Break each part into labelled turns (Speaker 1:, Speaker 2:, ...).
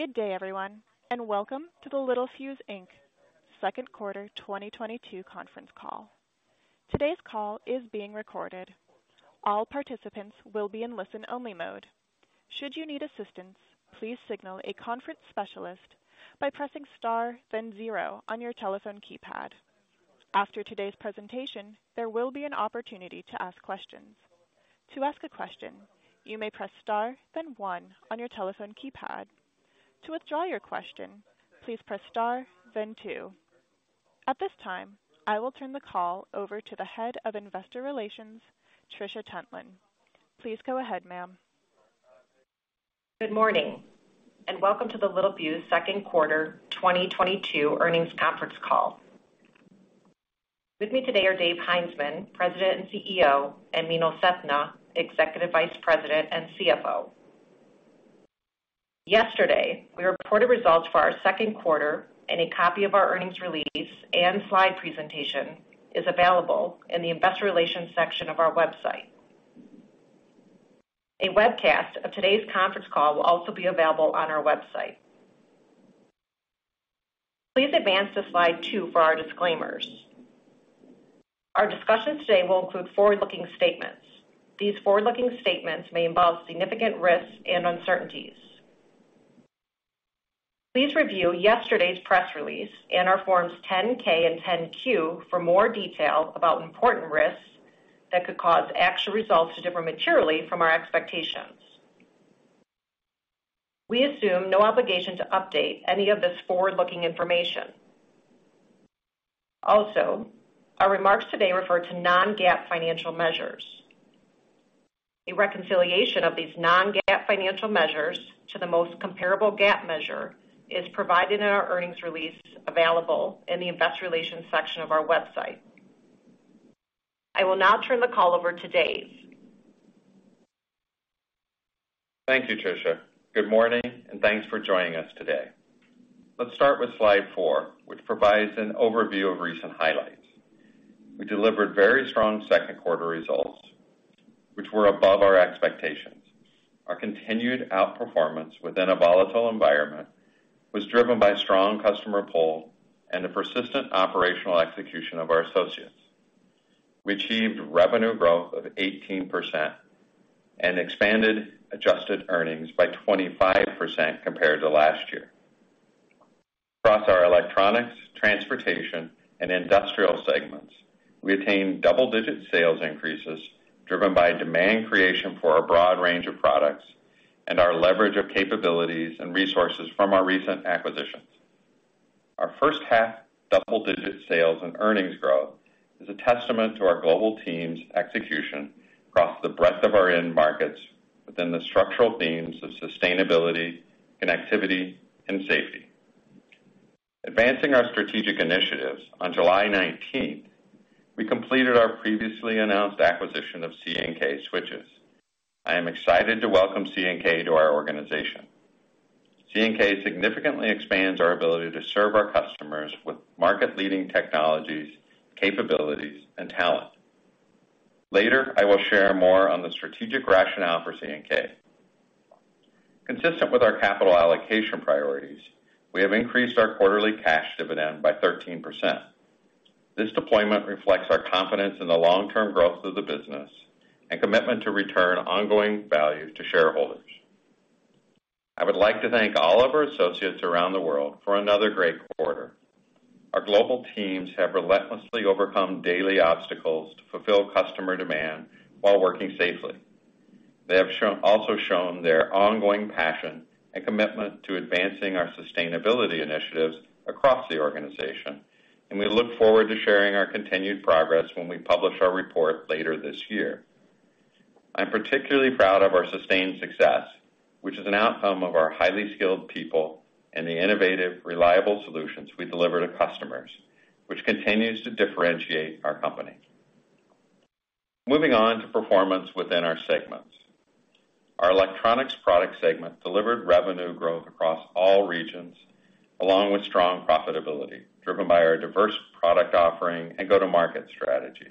Speaker 1: Good day, everyone, and welcome to the Littelfuse, Inc. Q2 2022 conference call. Today's call is being recorded. All participants will be in listen-only mode. Should you need assistance, please signal a conference specialist by pressing Star, then zero on your telephone keypad. After today's presentation, there will be an opportunity to ask questions. To ask a question, you may press Star then one on your telephone keypad. To withdraw your question, please press Star then two. At this time, I will turn the call over to the Head of Investor Relations, Trisha Tuntland. Please go ahead, ma'am.
Speaker 2: Good morning and welcome to the Littelfuse Q2 2022 earnings conference call. With me today are Dave Heinzmann, President and CEO, and Meenal Sethna, Executive Vice President and CFO. Yesterday, we reported results for our Q2, and a copy of our earnings release and slide presentation is available in the investor relations section of our website. A webcast of today's conference call will also be available on our website. Please advance to slide two for our disclaimers. Our discussions today will include forward-looking statements. These forward-looking statements may involve significant risks and uncertainties. Please review yesterday's press release and our Forms 10-K and 10-Q for more detail about important risks that could cause actual results to differ materially from our expectations. We assume no obligation to update any of this forward-looking information. Also, our remarks today refer to non-GAAP financial measures. A reconciliation of these non-GAAP financial measures to the most comparable GAAP measure is provided in our earnings release available in the investor relations section of our website. I will now turn the call over to Dave.
Speaker 3: Thank you, Trisha. Good morning, and thanks for joining us today. Let's start with slide four, which provides an overview of recent highlights. We delivered very strong Q2 results, which were above our expectations. Our continued outperformance within a volatile environment was driven by strong customer pull and the persistent operational execution of our associates. We achieved revenue growth of 18% and expanded adjusted earnings by 25% compared to last year. Across our electronics, transportation, and industrial segments, we attained double-digit sales increases driven by demand creation for our broad range of products and our leverage of capabilities and resources from our recent acquisitions. Our H1 double-digit sales and earnings growth is a testament to our global team's execution across the breadth of our end markets within the structural themes of sustainability, connectivity, and safety. Advancing our strategic initiatives, on July 19th, we completed our previously announced acquisition of C&K Switches. I am excited to welcome C&K to our organization. C&K significantly expands our ability to serve our customers with market-leading technologies, capabilities, and talent. Later, I will share more on the strategic rationale for C&K. Consistent with our capital allocation priorities, we have increased our quarterly cash dividend by 13%. This deployment reflects our confidence in the long-term growth of the business and commitment to return ongoing value to shareholders. I would like to thank all of our associates around the world for another great quarter. Our global teams have relentlessly overcome daily obstacles to fulfill customer demand while working safely. They have also shown their ongoing passion and commitment to advancing our sustainability initiatives across the organization, and we look forward to sharing our continued progress when we publish our report later this year. I'm particularly proud of our sustained success, which is an outcome of our highly skilled people and the innovative, reliable solutions we deliver to customers, which continues to differentiate our company. Moving on to performance within our segments. Our electronics product segment delivered revenue growth across all regions, along with strong profitability, driven by our diverse product offering and go-to-market strategy.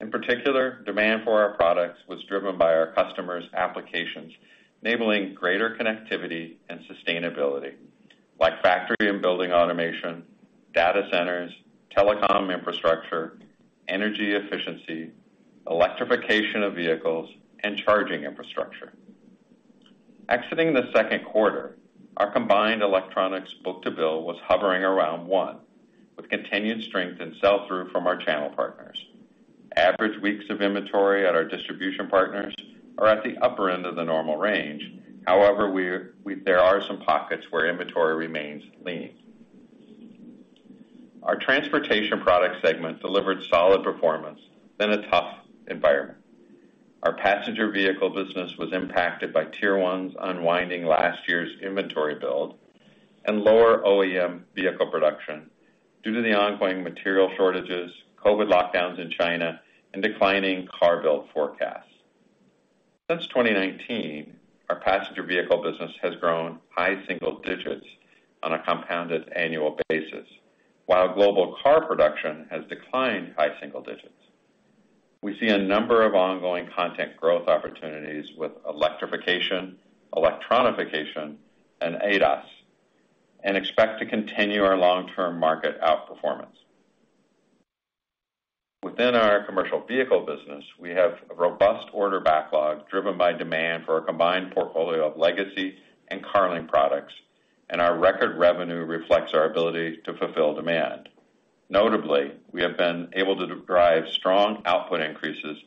Speaker 3: In particular, demand for our products was driven by our customers' applications, enabling greater connectivity and sustainability, like factory and building automation, data centers, telecom infrastructure, energy efficiency, electrification of vehicles, and charging infrastructure. Exiting the Q2, our combined electronics book-to-bill was hovering around one, with continued strength and sell-through from our channel partners. Average weeks of inventory at our distribution partners are at the upper end of the normal range. However, there are some pockets where inventory remains lean. Our transportation product segment delivered solid performance in a tough environment. Our passenger vehicle business was impacted by Tier One's unwinding last year's inventory build and lower OEM vehicle production due to the ongoing material shortages, COVID lockdowns in China, and declining car build forecasts. Since 2019, our passenger vehicle business has grown high single digits on a compounded annual basis, while global car production has declined high single digits. We see a number of ongoing content growth opportunities with electrification, electronification, and ADAS, and expect to continue our long-term market outperformance. Within our commercial vehicle business, we have a robust order backlog driven by demand for a combined portfolio of legacy and Carling products, and our record revenue reflects our ability to fulfill demand. Notably, we have been able to derive strong output increases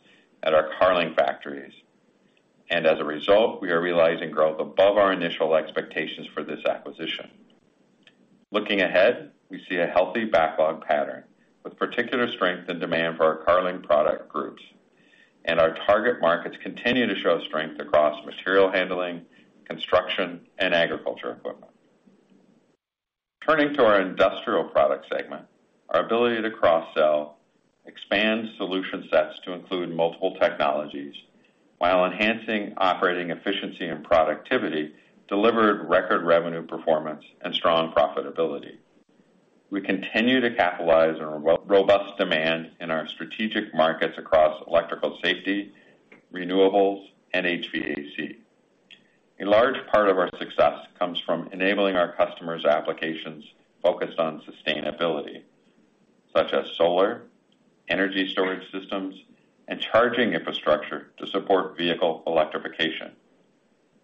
Speaker 3: at our Carling factories. As a result, we are realizing growth above our initial expectations for this acquisition. Looking ahead, we see a healthy backlog pattern, with particular strength and demand for our Carling product groups. Our target markets continue to show strength across material handling, construction, and agriculture equipment. Turning to our industrial product segment, our ability to cross-sell, expand solution sets to include multiple technologies while enhancing operating efficiency and productivity, delivered record revenue performance and strong profitability. We continue to capitalize on robust demand in our strategic markets across electrical safety, renewables, and HVAC. A large part of our success comes from enabling our customers' applications focused on sustainability, such as solar, energy storage systems, and charging infrastructure to support vehicle electrification.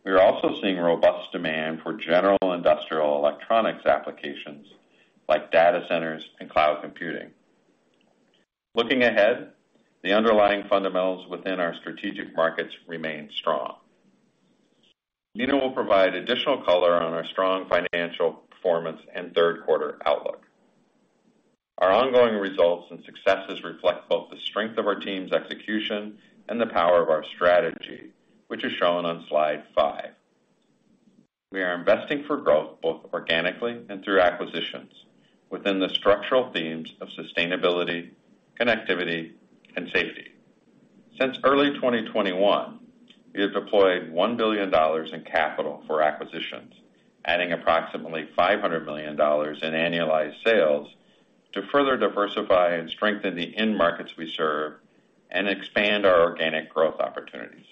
Speaker 3: We are also seeing robust demand for general industrial electronics applications like data centers and cloud computing. Looking ahead, the underlying fundamentals within our strategic markets remain strong. Meenal will provide additional color on our strong financial performance and Q3 outlook. Our ongoing results and successes reflect both the strength of our team's execution and the power of our strategy, which is shown on slide five. We are investing for growth, both organically and through acquisitions, within the structural themes of sustainability, connectivity, and safety. Since early 2021, we have deployed $1 billion in capital for acquisitions, adding approximately $500 million in annualized sales to further diversify and strengthen the end markets we serve and expand our organic growth opportunities.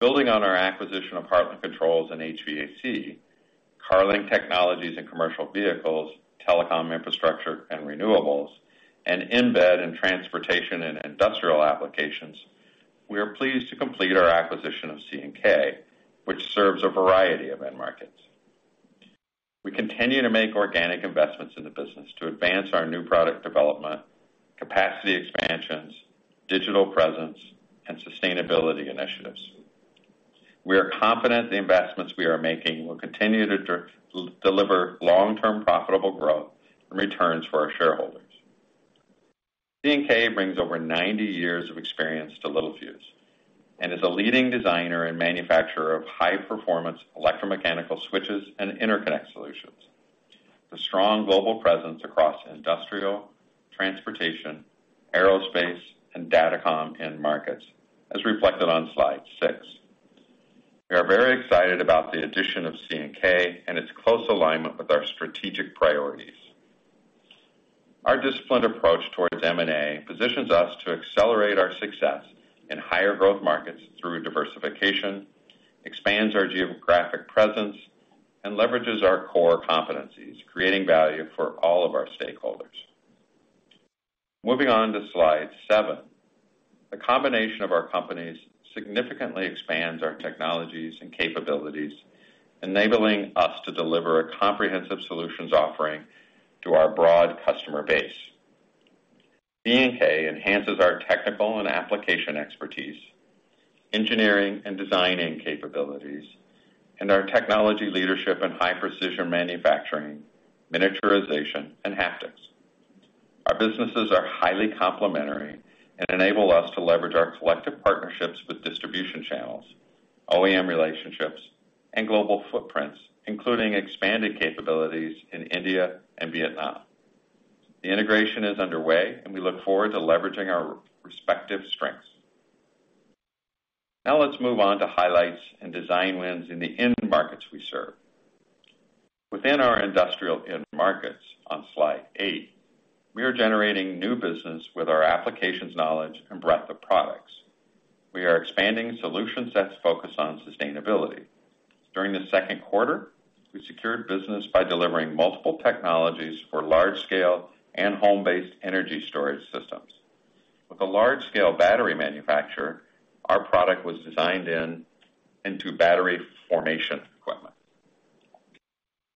Speaker 3: Building on our acquisition of Hartland Controls in HVAC, Carling Technologies in commercial vehicles, telecom infrastructure, and renewables, and IXYS in transportation and industrial applications, we are pleased to complete our acquisition of C&K, which serves a variety of end markets. We continue to make organic investments in the business to advance our new product development, capacity expansions, digital presence, and sustainability initiatives. We are confident the investments we are making will continue to deliver long-term profitable growth and returns for our shareholders. C&K brings over 90 years of experience to Littelfuse and is a leading designer and manufacturer of high-performance electromechanical switches and interconnect solutions. The strong global presence across industrial, transportation, aerospace, and datacom end markets, as reflected on slide six. We are very excited about the addition of C&K and its close alignment with our strategic priorities. Our disciplined approach toward M&A positions us to accelerate our success in higher growth markets through diversification, expands our geographic presence, and leverages our core competencies, creating value for all of our stakeholders. Moving on to slide seven. The combination of our companies significantly expands our technologies and capabilities, enabling us to deliver a comprehensive solutions offering to our broad customer base. C&K enhances our technical and application expertise, engineering and designing capabilities, and our technology leadership in high-precision manufacturing, miniaturization, and haptics. Our businesses are highly complementary and enable us to leverage our collective partnerships with distribution channels, OEM relationships, and global footprints, including expanded capabilities in India and Vietnam. The integration is underway, and we look forward to leveraging our respective strengths. Now let's move on to highlights and design wins in the end markets we serve. Within our industrial end markets, on slide eight, we are generating new business with our applications knowledge and breadth of products. We are expanding solution sets focused on sustainability. During the Q2, we secured business by delivering multiple technologies for large-scale and home-based energy storage systems. With a large-scale battery manufacturer, our product was designed into battery formation equipment.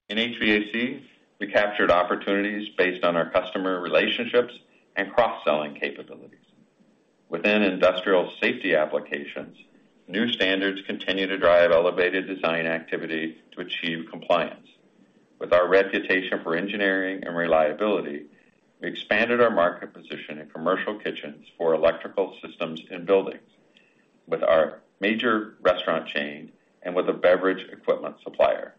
Speaker 3: In HVAC, we captured opportunities based on our customer relationships and cross-selling capabilities. Within industrial safety applications, new standards continue to drive elevated design activity to achieve compliance. With our reputation for engineering and reliability, we expanded our market position in commercial kitchens for electrical systems in buildings with our major restaurant chain and with a beverage equipment supplier.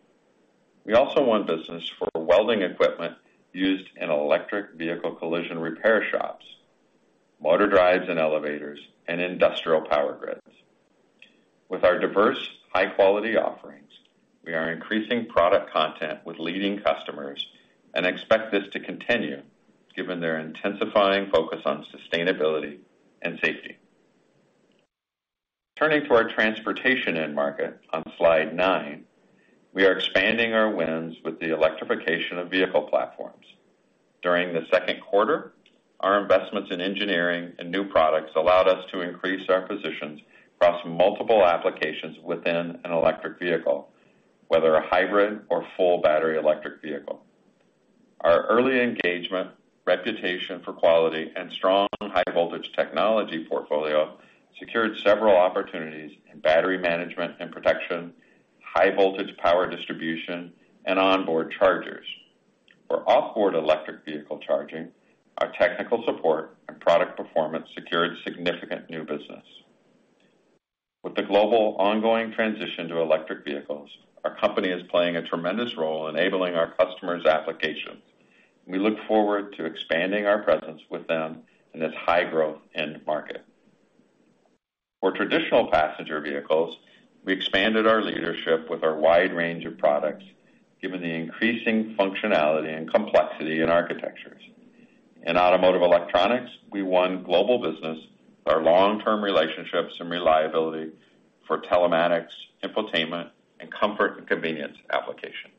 Speaker 3: We also won business for welding equipment used in electric vehicle collision repair shops, motor drives and elevators, and industrial power grids. With our diverse high-quality offerings, we are increasing product content with leading customers and expect this to continue given their intensifying focus on sustainability and safety. Turning to our transportation end market on slide nine, we are expanding our wins with the electrification of vehicle platforms. During the Q2, our investments in engineering and new products allowed us to increase our positions across multiple applications within an electric vehicle, whether a hybrid or full battery electric vehicle. Our early engagement, reputation for quality and strong high voltage technology portfolio secured several opportunities in battery management and protection, high voltage power distribution, and onboard chargers. For off-board electric vehicle charging, our technical support and product performance secured significant new business. With the global ongoing transition to electric vehicles, our company is playing a tremendous role enabling our customers' applications. We look forward to expanding our presence with them in this high-growth end market. For traditional passenger vehicles, we expanded our leadership with our wide range of products, given the increasing functionality and complexity in architectures. In automotive electronics, we won global business with our long-term relationships and reliability for telematics, infotainment, and comfort and convenience applications.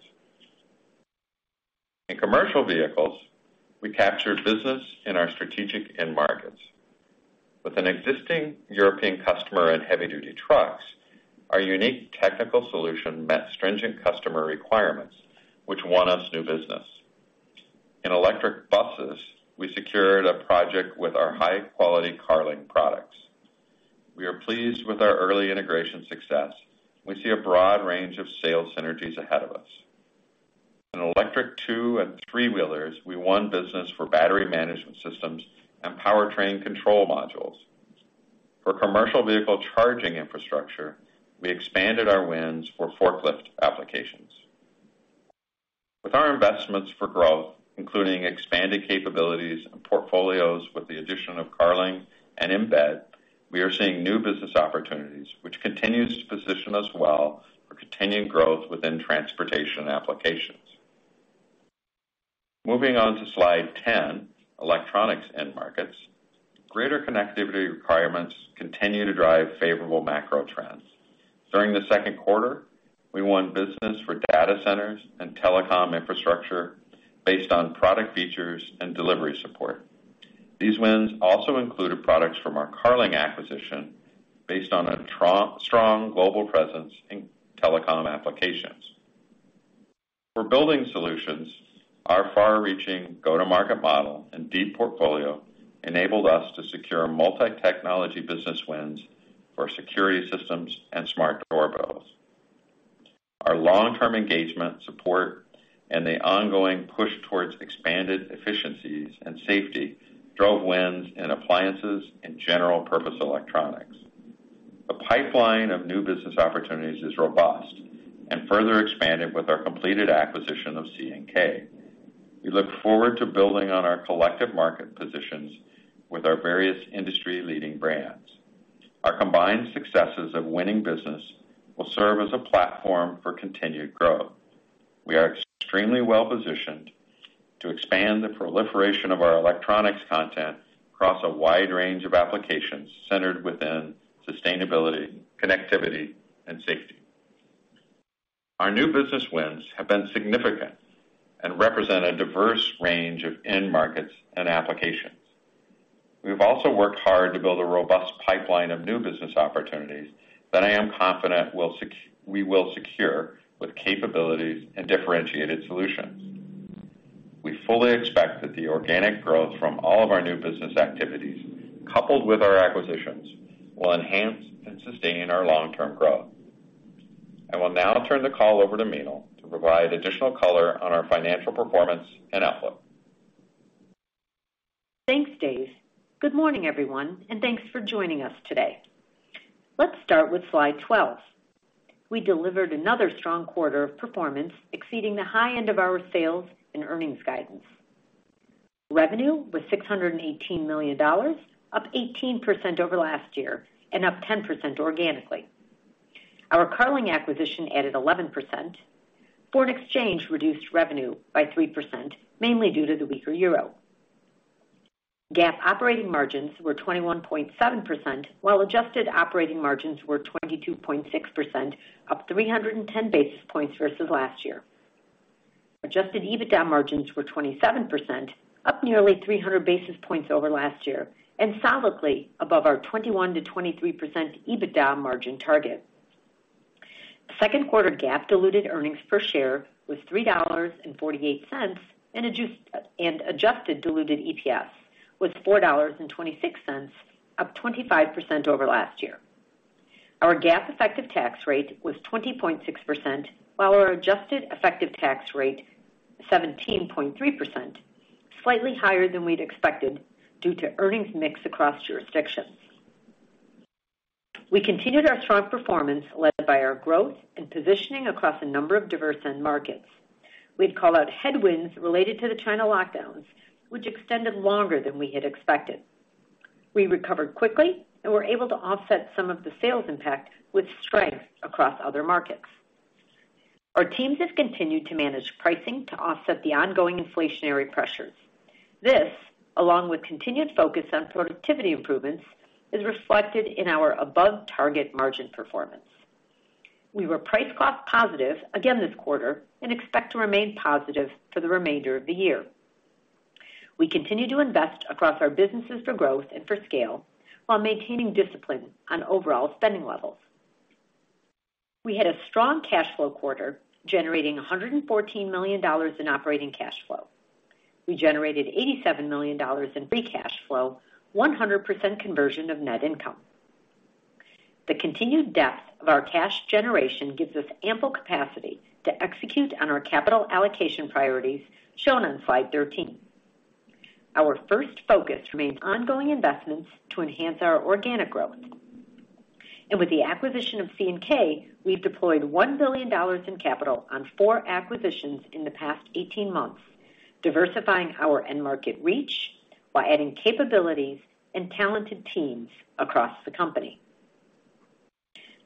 Speaker 3: In commercial vehicles, we captured business in our strategic end markets. With an existing European customer in heavy duty trucks, our unique technical solution met stringent customer requirements, which won us new business. In electric buses, we secured a project with our high-quality Carling products. We are pleased with our early integration success. We see a broad range of sales synergies ahead of us. In electric two and three-wheelers, we won business for battery management systems and powertrain control modules. For commercial vehicle charging infrastructure, we expanded our wins for forklift applications. With our investments for growth, including expanded capabilities and portfolios with the addition of Carling and Embed, we are seeing new business opportunities, which continues to position us well for continued growth within transportation applications. Moving on to slide 10, electronics end markets. Greater connectivity requirements continue to drive favorable macro trends. During the Q2, we won business for data centers and telecom infrastructure based on product features and delivery support. These wins also included products from our Carling acquisition based on a truly strong global presence in telecom applications. For building solutions, our far-reaching go-to-market model and deep portfolio enabled us to secure multi-technology business wins for security systems and smart doorbells. Our long-term engagement, support, and the ongoing push towards expanded efficiencies and safety drove wins in appliances and general purpose electronics. The pipeline of new business opportunities is robust and further expanded with our completed acquisition of C&K. We look forward to building on our collective market positions with our various industry-leading brands. Our combined successes of winning business will serve as a platform for continued growth. We are extremely well-positioned to expand the proliferation of our electronics content across a wide range of applications centered within sustainability, connectivity, and safety. Our new business wins have been significant and represent a diverse range of end markets and applications. We've also worked hard to build a robust pipeline of new business opportunities that I am confident we will secure with capabilities and differentiated solutions. We fully expect that the organic growth from all of our new business activities, coupled with our acquisitions, will enhance and sustain our long-term growth. I will now turn the call over to Meenal to provide additional color on our financial performance and outlook.
Speaker 4: Thanks, Dave. Good morning, everyone, and thanks for joining us today. Let's start with slide 12. We delivered another strong quarter of performance, exceeding the high end of our sales and earnings guidance. Revenue was $618 million, up 18% over last year and up 10% organically. Our Carling acquisition added 11%. Foreign exchange reduced revenue by 3%, mainly due to the weaker euro. GAAP operating margins were 21.7%, while adjusted operating margins were 22.6%, up 310 basis points versus last year. Adjusted EBITDA margins were 27%, up nearly 300 basis points over last year, and solidly above our 21%-23% EBITDA margin target. Q2 GAAP diluted earnings per share was $3.48, and adjusted diluted EPS was $4.26, up 25% over last year. Our GAAP effective tax rate was 20.6%, while our adjusted effective tax rate was 17.3%, slightly higher than we'd expected due to earnings mix across jurisdictions. We continued our strong performance led by our growth and positioning across a number of diverse end markets. We'd call out headwinds related to the China lockdowns, which extended longer than we had expected. We recovered quickly and were able to offset some of the sales impact with strength across other markets. Our teams have continued to manage pricing to offset the ongoing inflationary pressures. This, along with continued focus on productivity improvements, is reflected in our above target margin performance. We were price cost positive again this quarter and expect to remain positive for the remainder of the year. We continue to invest across our businesses for growth and for scale while maintaining discipline on overall spending levels. We had a strong cash flow quarter, generating $114 million in operating cash flow. We generated $87 million in free cash flow, 100% conversion of net income. The continued depth of our cash generation gives us ample capacity to execute on our capital allocation priorities shown on slide 13. Our first focus remains ongoing investments to enhance our organic growth. With the acquisition of C&K, we've deployed $1 billion in capital on four acquisitions in the past 18 months, diversifying our end market reach while adding capabilities and talented teams across the company.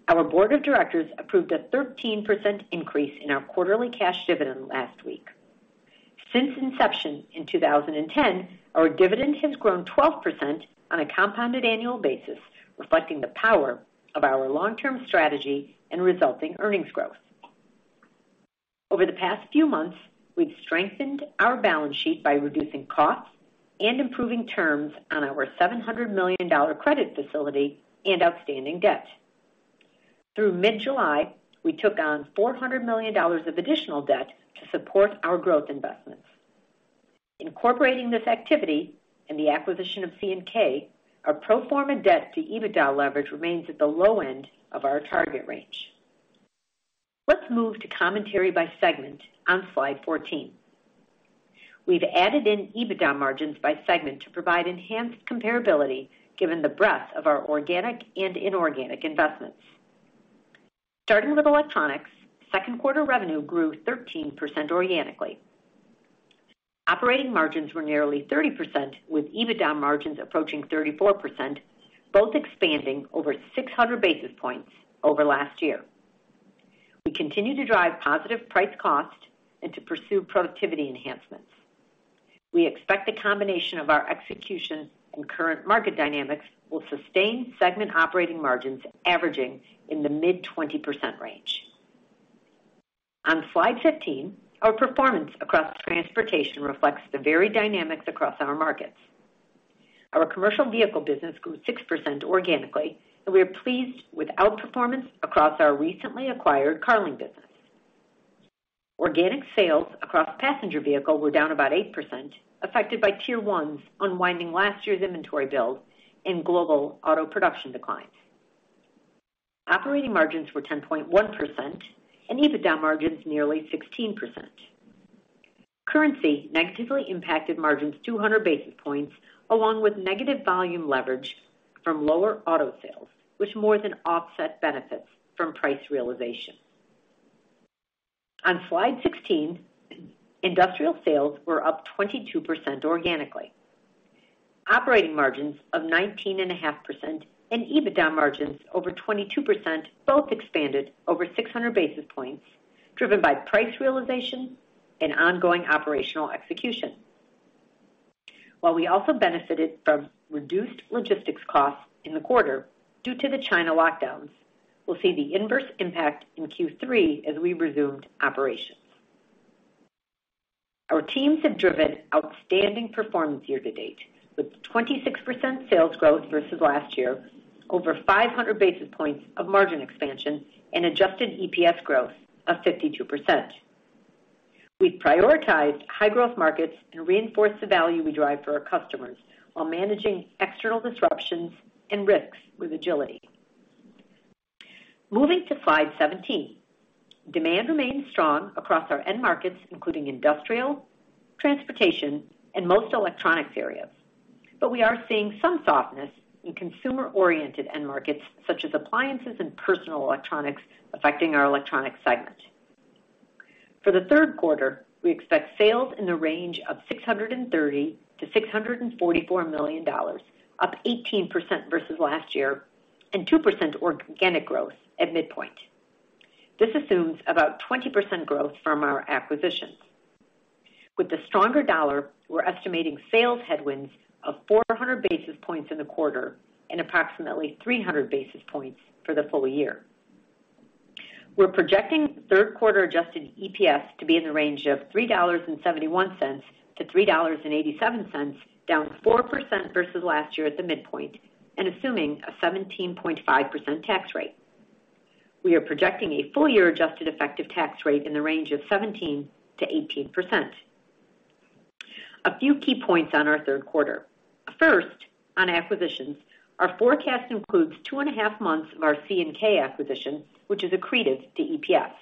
Speaker 4: Our board of directors approved a 13% increase in our quarterly cash dividend last week. Since inception in 2010, our dividend has grown 12% on a compounded annual basis, reflecting the power of our long-term strategy and resulting earnings growth. Over the past few months, we've strengthened our balance sheet by reducing costs and improving terms on our $700 million credit facility and outstanding debt. Through mid-July, we took on $400 million of additional debt to support our growth investments. Incorporating this activity and the acquisition of C&K, our pro forma debt to EBITDA leverage remains at the low end of our target range. Let's move to commentary by segment on slide 14. We've added in EBITDA margins by segment to provide enhanced comparability given the breadth of our organic and inorganic investments. Starting with electronics, Q2 revenue grew 13% organically. Operating margins were nearly 30%, with EBITDA margins approaching 34%, both expanding over 600 basis points over last year. We continue to drive positive price cost and to pursue productivity enhancements. We expect the combination of our execution and current market dynamics will sustain segment operating margins averaging in the mid-20% range. On slide 15, our performance across transportation reflects the varied dynamics across our markets. Our commercial vehicle business grew 6% organically, and we are pleased with outperformance across our recently acquired Carling business. Organic sales across passenger vehicle were down about 8%, affected by Tier One's unwinding last year's inventory build and global auto production declines. Operating margins were 10.1%, and EBITDA margins nearly 16%. Currency negatively impacted margins 200 basis points, along with negative volume leverage from lower auto sales, which more than offset benefits from price realization. On slide 16, industrial sales were up 22% organically. Operating margins of 19.5% and EBITDA margins over 22% both expanded over 600 basis points, driven by price realization and ongoing operational execution. While we also benefited from reduced logistics costs in the quarter due to the China lockdowns, we'll see the inverse impact in Q3 as we resumed operations. Our teams have driven outstanding performance year to date, with 26% sales growth versus last year, over 500 basis points of margin expansion and adjusted EPS growth of 52%. We've prioritized high growth markets and reinforced the value we drive for our customers while managing external disruptions and risks with agility. Moving to slide 17. Demand remains strong across our end markets, including industrial, transportation, and most electronics areas. We are seeing some softness in consumer-oriented end markets such as appliances and personal electronics affecting our electronics segment. For the Q3, we expect sales in the range of $630 million-$644 million, up 18% versus last year, and 2% organic growth at midpoint. This assumes about 20% growth from our acquisitions. With the stronger dollar, we're estimating sales headwinds of 400 basis points in the quarter and approximately 300 basis points for the full year. We're projecting Q3 adjusted EPS to be in the range of $3.71-$3.87, down 4% versus last year at the midpoint, and assuming a 17.5% tax rate. We are projecting a full-year adjusted effective tax rate in the range of 17%-18%. A few key points on our Q3. First, on acquisitions, our forecast includes 2.5 months of our C&K acquisition, which is accretive to EPS.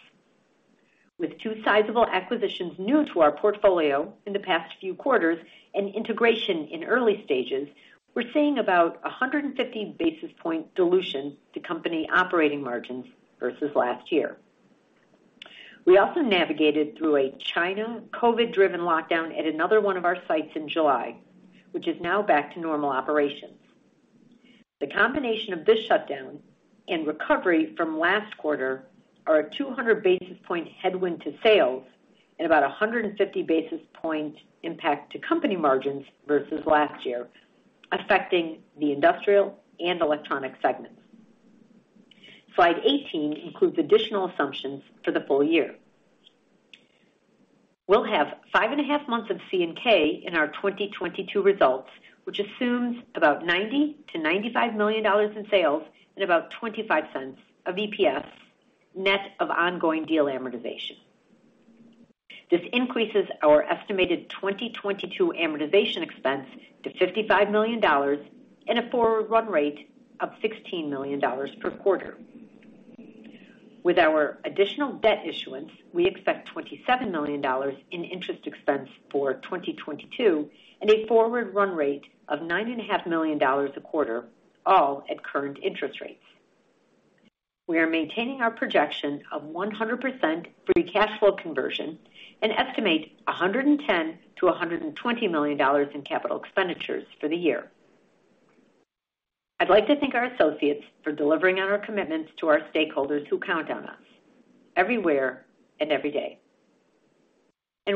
Speaker 4: With two sizable acquisitions new to our portfolio in the past few quarters and integration in early stages, we're seeing about 150 basis point dilution to company operating margins versus last year. We also navigated through a China COVID-driven lockdown at another one of our sites in July, which is now back to normal operations. The combination of this shutdown and recovery from last quarter are a 200 basis point headwind to sales and about a 150 basis point impact to company margins versus last year, affecting the industrial and electronic segments. Slide 18 includes additional assumptions for the full year. We'll have five and a half months of C&K in our 2022 results, which assumes about $90-$95 million in sales and about $0.25 of EPS net of ongoing deal amortization. This increases our estimated 2022 amortization expense to $55 million and a forward run rate of $16 million per quarter. With our additional debt issuance, we expect $27 million in interest expense for 2022 and a forward run rate of $9.5 million a quarter, all at current interest rates. We are maintaining our projection of 100% free cash flow conversion and estimate $110-$120 million in capital expenditures for the year. I'd like to thank our associates for delivering on our commitments to our stakeholders who count on us everywhere and every day.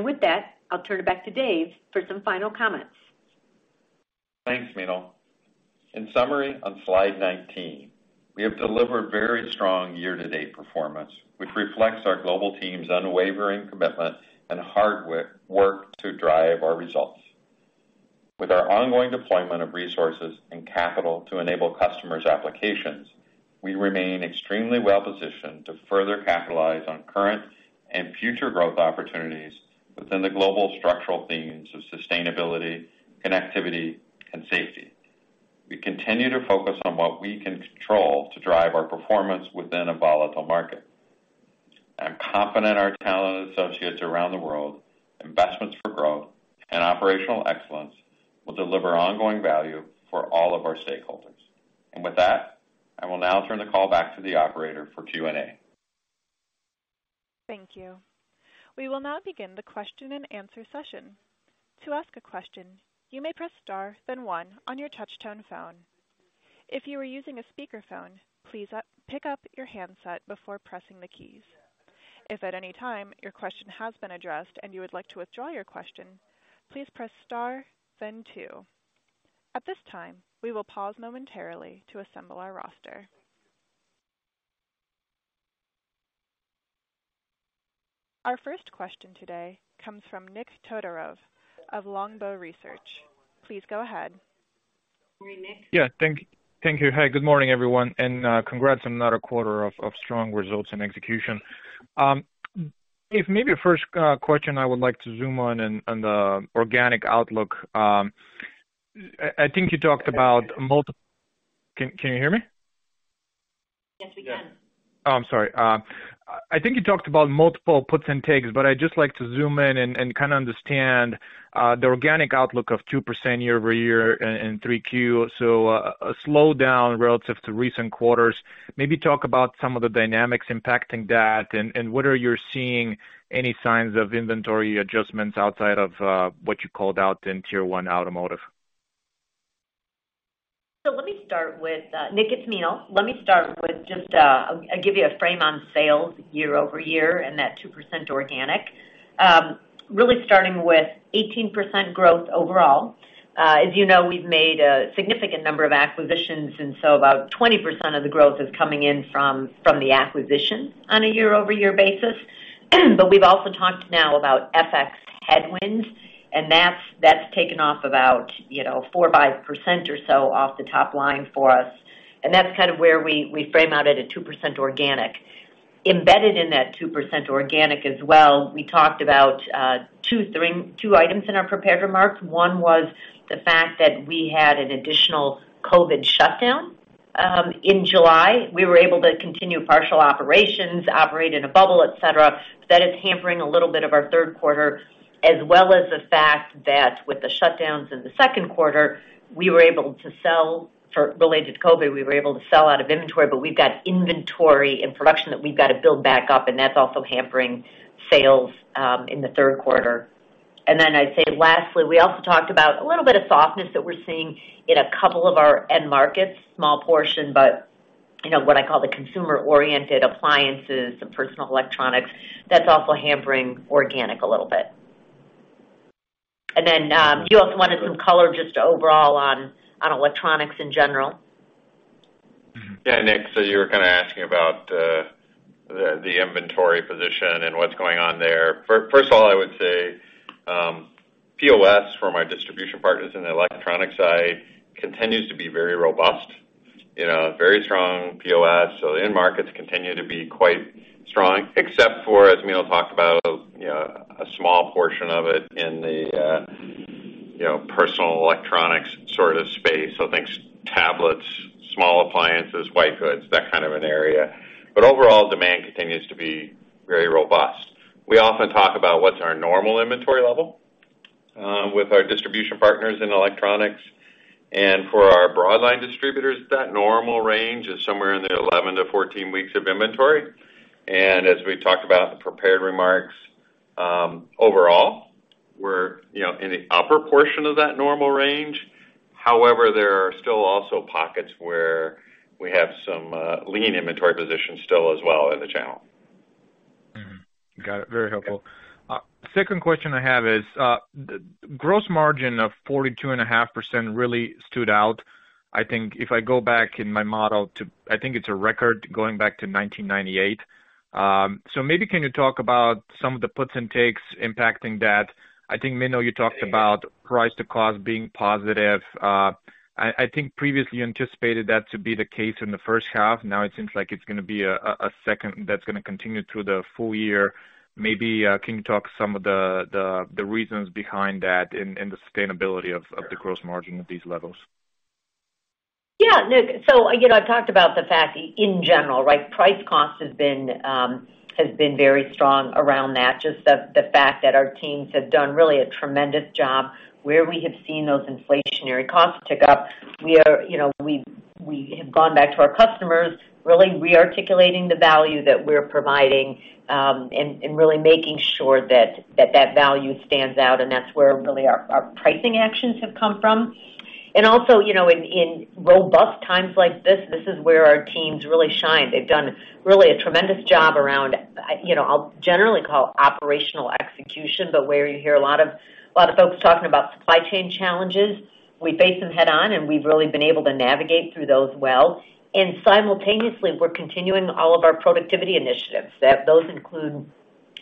Speaker 4: With that, I'll turn it back to Dave for some final comments.
Speaker 3: Thanks, Meenal. In summary, on slide 19, we have delivered very strong year-to-date performance, which reflects our global team's unwavering commitment and hard work to drive our results. With our ongoing deployment of resources and capital to enable customers applications, we remain extremely well-positioned to further capitalize on current and future growth opportunities within the global structural themes of sustainability, connectivity, and safety. We continue to focus on what we can control to drive our performance within a volatile market. I'm confident our talented associates around the world, investments for growth, and operational excellence will deliver ongoing value for all of our stakeholders. With that, I will now turn the call back to the operator for Q&A.
Speaker 1: Thank you. We will now begin the question-and-answer session. To ask a question, you may press star, then one on your touchtone phone. If you are using a speakerphone, please pick up your handset before pressing the keys. If at any time your question has been addressed and you would like to withdraw your question, please press star, then two. At this time, we will pause momentarily to assemble our roster. Our first question today comes from Nik Todorov of Longbow Research. Please go ahead.
Speaker 4: Nick.
Speaker 5: Yeah, thank you. Hi, good morning, everyone. Congrats on another quarter of strong results and execution. If maybe first question I would like to zoom on the organic outlook. I think you talked about. Can you hear me?
Speaker 4: Yes, we can.
Speaker 5: I'm sorry. I think you talked about multiple puts and takes, but I'd just like to zoom in and kind of understand the organic outlook of 2% year-over-year in 3Q. A slowdown relative to recent quarters. Maybe talk about some of the dynamics impacting that and whether you're seeing any signs of inventory adjustments outside of what you called out in Tier One automotive.
Speaker 4: Let me start with, Nik, it's Meenal. Let me start with just, I'll give you a frame on sales year-over-year and that 2% organic. Really starting with 18% growth overall. As you know, we've made a significant number of acquisitions, and so about 20% of the growth is coming in from the acquisitions on a year-over-year basis. We've also talked now about FX headwinds, and that's taken off about, you know, 4%-5% or so off the top line for us, and that's kind of where we frame out at a 2% organic. Embedded in that 2% organic as well, we talked about two items in our prepared remarks. One was the fact that we had an additional COVID shutdown in July. We were able to continue partial operations, operate in a bubble, et cetera. That is hampering a little bit of our Q3, as well as the fact that with the shutdowns in the Q2, we were able to sell out of inventory, but we've got inventory in production that we've got to build back up, and that's also hampering sales in the Q3. I'd say lastly, we also talked about a little bit of softness that we're seeing in a couple of our end markets. Small portion, but you know what I call the consumer-oriented appliances and personal electronics. That's also hampering organic a little bit. You also wanted some color just overall on electronics in general.
Speaker 3: Yeah. Nik, so you were kind of asking about the inventory position and what's going on there. First of all, I would say POS for my distribution partners in the electronics side continues to be very robust. You know, very strong POS. The end markets continue to be quite strong, except for, as Meenal talked about, you know, a small portion of it in the you know, personal electronics sort of space. Think tablets, small appliances, white goods, that kind of an area. Overall demand continues to be very robust. We often talk about what's our normal inventory level. With our distribution partners in electronics and for our broadline distributors, that normal range is somewhere in the 11-14 weeks of inventory. As we talked about in the prepared remarks, overall we're, you know, in the upper portion of that normal range. However, there are still also pockets where we have some lean inventory positions still as well in the channel.
Speaker 5: Got it. Very helpful. Second question I have is the gross margin of 42.5% really stood out. I think if I go back in my model, I think it's a record going back to 1998. So maybe can you talk about some of the puts and takes impacting that? I think, Meenal, you talked about price to cost being positive. I think previously anticipated that to be the case in the H1. Now it seems like it's gonna be H2 that's gonna continue through the full year. Maybe can you talk about some of the reasons behind that and the sustainability of the gross margin at these levels?
Speaker 4: Yeah. Nik, so, you know, I've talked about the fact in general, right? Price cost has been very strong around that. Just the fact that our teams have done really a tremendous job where we have seen those inflationary costs tick up. We are, you know, we have gone back to our customers really re-articulating the value that we're providing, and really making sure that that value stands out, and that's where really our pricing actions have come from. Also, you know, in robust times like this is where our teams really shine. They've done really a tremendous job around, you know, I'll generally call operational execution, but where you hear a lot of folks talking about supply chain challenges, we face them head on, and we've really been able to navigate through those well. Simultaneously, we're continuing all of our productivity initiatives. Those include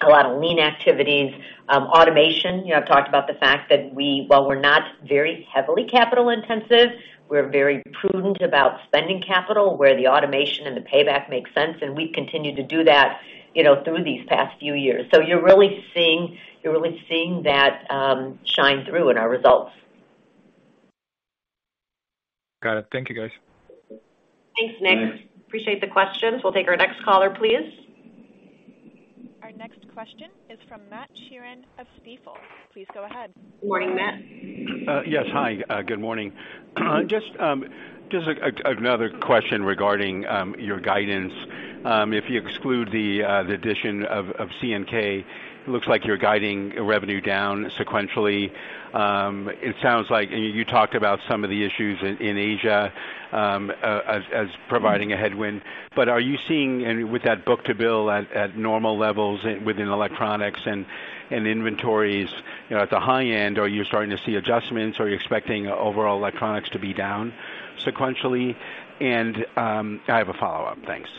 Speaker 4: a lot of lean activities, automation. You know, I've talked about the fact that while we're not very heavily capital intensive, we're very prudent about spending capital where the automation and the payback makes sense, and we continue to do that, you know, through these past few years. You're really seeing that shine through in our results.
Speaker 5: Got it. Thank you, guys.
Speaker 4: Thanks, Nik. Appreciate the questions. We'll take our next caller, please.
Speaker 1: Our next question is from Matt Sheerin of Stifel. Please go ahead.
Speaker 4: Morning, Matt.
Speaker 6: Yes. Hi. Good morning. Another question regarding your guidance. If you exclude the addition of C&K, it looks like you're guiding revenue down sequentially. It sounds like you talked about some of the issues in Asia as providing a headwind. But are you seeing any with that book-to-bill at normal levels within electronics and inventories, you know, at the high end? Are you starting to see adjustments? Are you expecting overall electronics to be down sequentially? I have a follow-up. Thanks.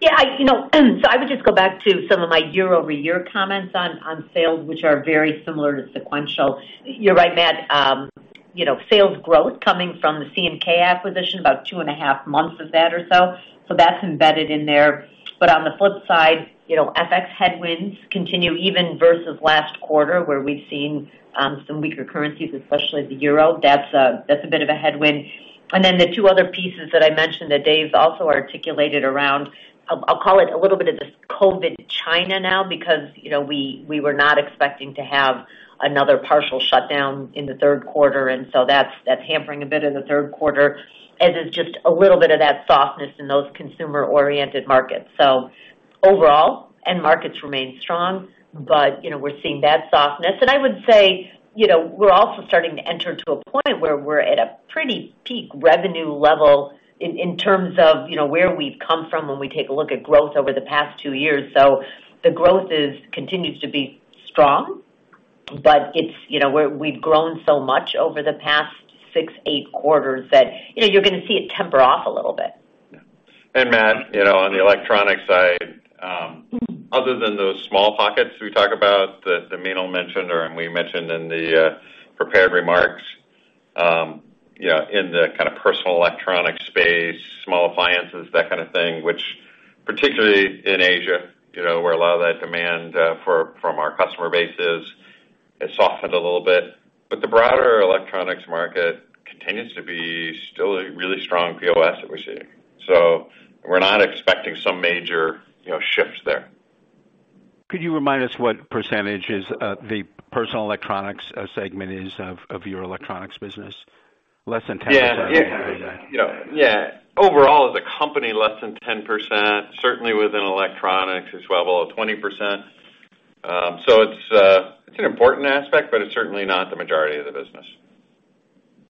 Speaker 4: Yeah, you know, I would just go back to some of my year-over-year comments on sales, which are very similar to sequential. You're right, Matt. You know, sales growth coming from the C&K acquisition, about 2.5 months of that or so that's embedded in there. But on the flip side, you know, FX headwinds continue even versus last quarter, where we've seen some weaker currencies, especially the euro. That's a bit of a headwind. Then the two other pieces that I mentioned that Dave's also articulated around, I'll call it a little bit of this COVID China now because, you know, we were not expecting to have another partial shutdown in the Q3, and so that's hampering a bit in the Q3, and there's just a little bit of that softness in those consumer-oriented markets. Overall, end markets remain strong, but, you know, we're seeing that softness. I would say, you know, we're also starting to enter to a point where we're at a pretty peak revenue level in terms of, you know, where we've come from when we take a look at growth over the past two years. The growth continues to be strong, but it's, you know, we've grown so much over the past six, eight quarters that, you know, you're gonna see it taper off a little bit.
Speaker 3: Yeah. Matt, you know, on the electronic side, other than those small pockets we talk about that Meenal mentioned or and we mentioned in the prepared remarks, you know, in the kind of personal electronic space, small appliances, that kind of thing, which particularly in Asia, you know, where a lot of that demand from our customer base has softened a little bit. The broader electronics market continues to be still a really strong POS that we're seeing. We're not expecting some major, you know, shifts there.
Speaker 6: Could you remind us what percentage is the personal electronics segment is of your electronics business? Less than 10%?
Speaker 3: Yeah. You know. Overall, as a company, less than 10%, certainly within electronics, it's well below 20%. So it's an important aspect, but it's certainly not the majority of the business.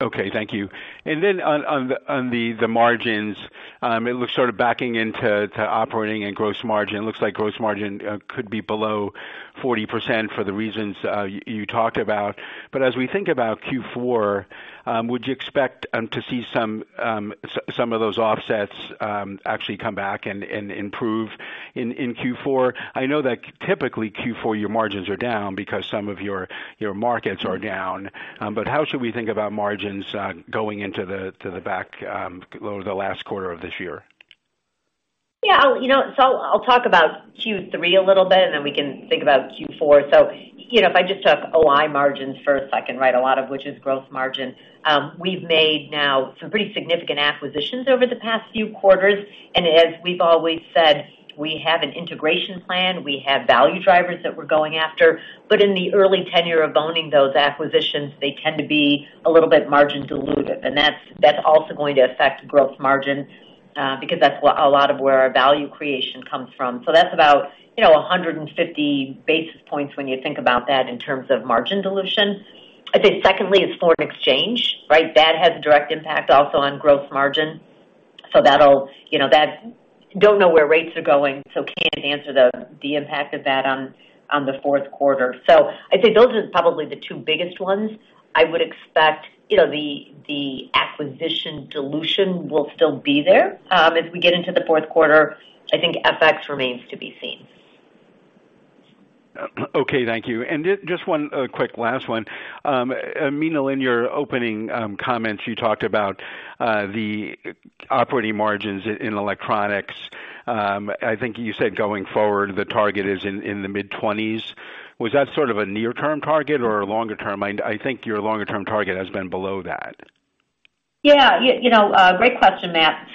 Speaker 6: Okay. Thank you. On the margins, it looks sort of backing into the operating and gross margin. Looks like gross margin could be below 40% for the reasons you talked about. As we think about Q4, would you expect to see some of those offsets actually come back and improve in Q4? I know that typically Q4, your margins are down because some of your markets are down. How should we think about margins going into the back or the last quarter of this year?
Speaker 4: I'll talk about Q3 a little bit, and then we can think about Q4. You know, if I just look at OI margins first, I can, right? A lot of which is gross margin. We've now made some pretty significant acquisitions over the past few quarters, and as we've always said, we have an integration plan, we have value drivers that we're going after. In the early tenure of owning those acquisitions, they tend to be a little bit margin dilutive, and that's also going to affect gross margin because that's a lot of where our value creation comes from. That's about, you know, 150 basis points when you think about that in terms of margin dilution. I think secondly, it's foreign exchange, right? That has a direct impact also on gross margin. Don't know where rates are going, so can't answer the impact of that on the Q4. I'd say those are probably the two biggest ones. I would expect, you know, the acquisition dilution will still be there. As we get into the Q4, I think FX remains to be seen.
Speaker 6: Okay, thank you. Just one quick last one. Meenal, in your opening comments, you talked about the operating margins in electronics. I think you said going forward, the target is in the mid-20s%. Was that sort of a near-term target or a longer term? I think your longer term target has been below that.
Speaker 4: Yeah. You know, great question, Matt.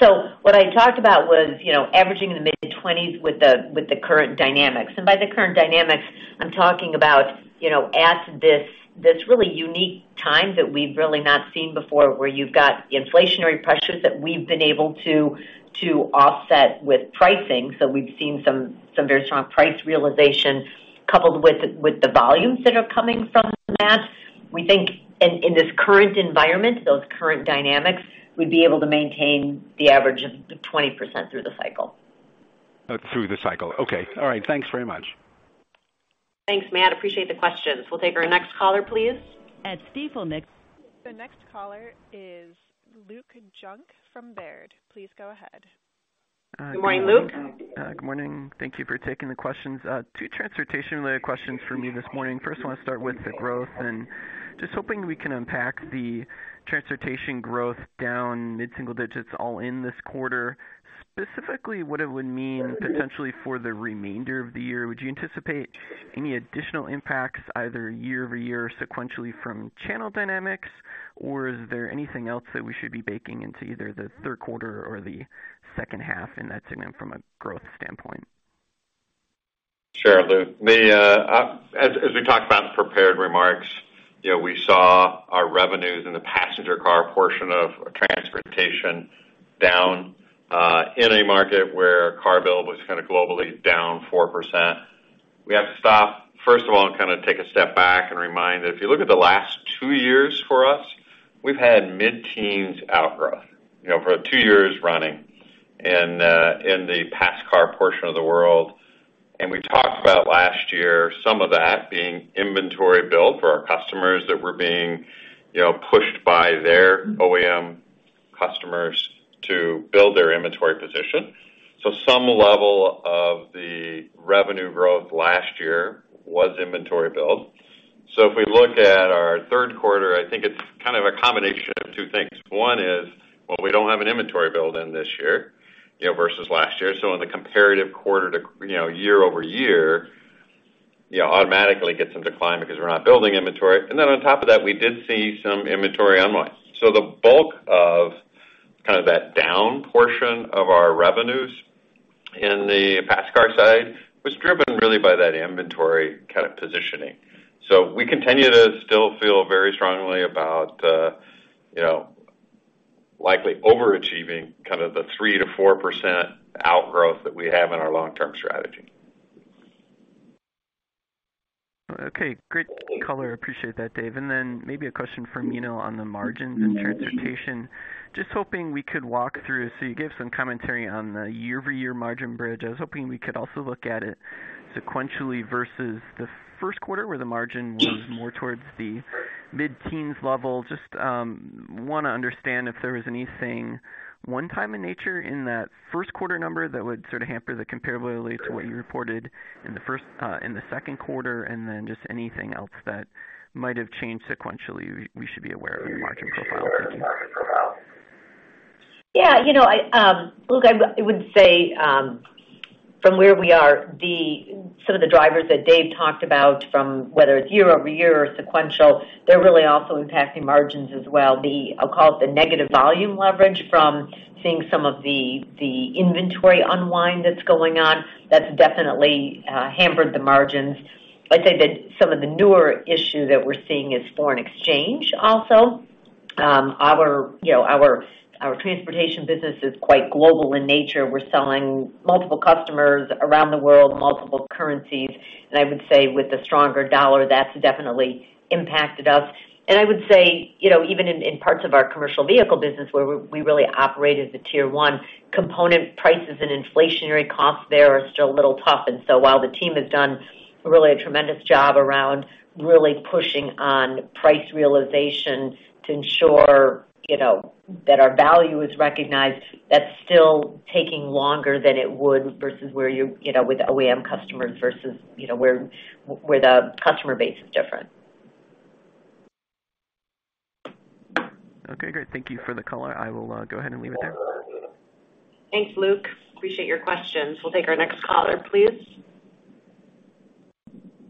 Speaker 4: What I talked about was, you know, averaging in the mid-20s with the current dynamics. By the current dynamics, I'm talking about, you know, at this really unique time that we've really not seen before, where you've got inflationary pressures that we've been able to offset with pricing. We've seen some very strong price realization coupled with the volumes that are coming from that. We think in this current environment, those current dynamics, we'd be able to maintain the average of 20% through the cycle.
Speaker 6: Through the cycle. Okay. All right. Thanks very much.
Speaker 4: Thanks, Matt. Appreciate the questions. We'll take our next caller, please.
Speaker 1: The next caller is Luke Junk from Baird. Please go ahead.
Speaker 4: Good morning, Luke.
Speaker 7: Good morning. Thank you for taking the questions. Two transportation-related questions from me this morning. First, I wanna start with the growth and just hoping we can unpack the transportation growth down mid-single digits all in this quarter. Specifically, what it would mean potentially for the remainder of the year. Would you anticipate any additional impacts either year-over-year or sequentially from channel dynamics, or is there anything else that we should be baking into either the Q3 or the H2 in that segment from a growth standpoint?
Speaker 3: Sure, Luke. As we talked about in prepared remarks, you know, we saw our revenues in the passenger car portion of transportation down in a market where car build was kinda globally down 4%. We have to stop, first of all, and kinda take a step back and remind that if you look at the last two years for us, we've had mid-teens outgrowth, you know, for two years running in the pass car portion of the world. We talked about last year some of that being inventory build for our customers that were being, you know, pushed by their OEM customers to build their inventory position. Some level of the revenue growth last year was inventory build. If we look at our Q3, I think it's kind of a combination of two things. One is, well, we don't have an inventory build in this year, you know, versus last year. In the comparative quarter to, you know, year-over-year, you know, automatically get some decline because we're not building inventory. On top of that, we did see some inventory unwind. The bulk of kind of that down portion of our revenues in the passenger car side was driven really by that inventory kind of positioning. We continue to still feel very strongly about, you know, likely overachieving kind of the 3%-4% outgrowth that we have in our long-term strategy.
Speaker 7: Okay. Great color. Appreciate that, Dave. Maybe a question for Meenal on the margins in transportation. Just hoping we could walk through. You gave some commentary on the year-over-year margin bridge. I was hoping we could also look at it sequentially versus the Q1, where the margin was more towards the mid-teens level. Just, wanna understand if there was anything one-time in nature in that Q1 number that would sort of hamper the comparability to what you reported in the first, in the Q2, and then just anything else that might have changed sequentially we should be aware of in the margin profile.
Speaker 4: Yeah. You know, I would say from where we are, some of the drivers that Dave talked about from whether it's year-over-year or sequential, they're really also impacting margins as well. I'll call it the negative volume leverage from seeing some of the inventory unwind that's going on, that's definitely hampered the margins. I'd say that some of the newer issue that we're seeing is foreign exchange also. You know, our transportation business is quite global in nature. We're selling to multiple customers around the world, multiple currencies, and I would say with the stronger dollar, that's definitely impacted us. You know, even in parts of our commercial vehicle business where we really operate as a Tier One, component prices and inflationary costs there are still a little tough. While the team has done really a tremendous job around really pushing on price realization to ensure, you know, that our value is recognized, that's still taking longer than it would versus where you know, with OEM customers versus, you know, where the customer base is different.
Speaker 7: Okay, great. Thank you for the color. I will go ahead and leave it there.
Speaker 4: Thanks, Luke. Appreciate your questions. We'll take our next caller, please.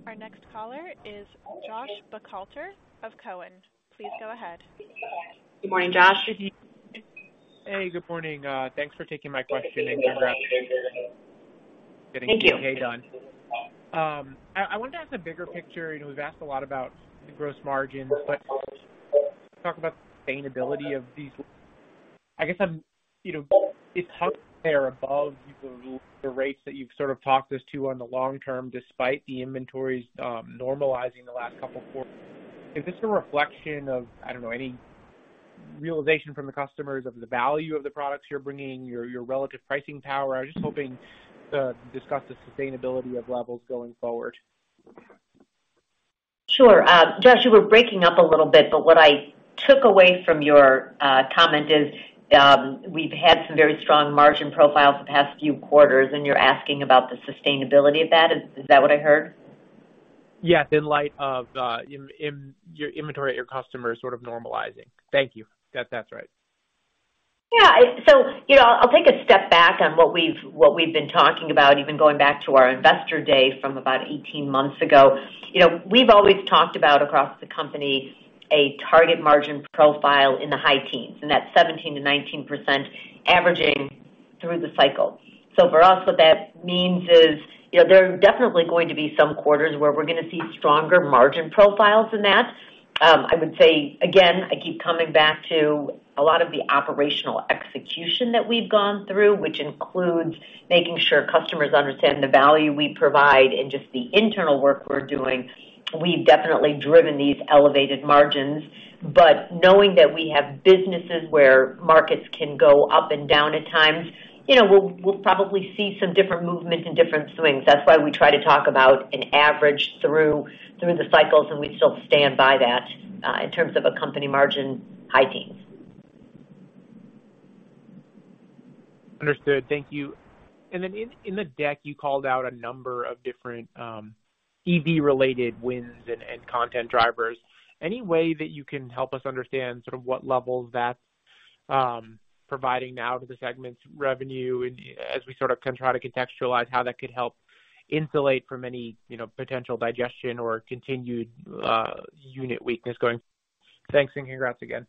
Speaker 1: Our next caller is Josh Buchalter of Cowen. Please go ahead.
Speaker 4: Good morning, Josh.
Speaker 8: Hey, good morning. Thanks for taking my question and congrats.
Speaker 4: Thank you.
Speaker 8: I wanted to ask a bigger picture, you know, we've asked a lot about the gross margin, but talk about the sustainability of these. I guess I'm, you know, it's up there above the rates that you've sort of talked us to on the long term, despite the inventories normalizing the last couple of quarters. Is this a reflection of, I don't know, any realization from the customers of the value of the products you're bringing, your relative pricing power? I was just hoping to discuss the sustainability of levels going forward.
Speaker 4: Sure. Josh, you were breaking up a little bit, but what I took away from your comment is, we've had some very strong margin profiles the past few quarters, and you're asking about the sustainability of that. Is that what I heard?
Speaker 8: Yes. In light of in your inventory at your customer sort of normalizing. Thank you. That's right.
Speaker 4: Yeah. You know, I'll take a step back on what we've been talking about, even going back to our investor day from about 18 months ago. You know, we've always talked about across the company a target margin profile in the high teens, and that's 17%-19% averaging through the cycle. For us, what that means is, you know, there are definitely going to be some quarters where we're gonna see stronger margin profiles than that. I would say, again, I keep coming back to a lot of the operational execution that we've gone through, which includes making sure customers understand the value we provide and just the internal work we're doing. We've definitely driven these elevated margins. Knowing that we have businesses where markets can go up and down at times, you know, we'll probably see some different movements and different swings. That's why we try to talk about an average through the cycles, and we still stand by that in terms of a company margin, high teens.
Speaker 8: Understood. Thank you. In the deck, you called out a number of different EV-related wins and content drivers. Any way that you can help us understand sort of what level that providing now to the segment's revenue and as we sort of continue to try to contextualize how that could help insulate from any, you know, potential digestion or continued unit weakness going. Thanks and congrats again.